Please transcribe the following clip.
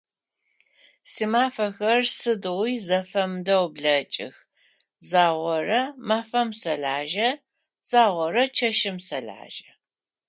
Симэфэхэр сыдигъуи зэфэмыдэу блэкӏых, загъорэ мафэм сэлэжьэ, загъорэ чэщым сэлэжьэ.